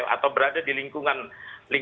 atau berada di lingkungan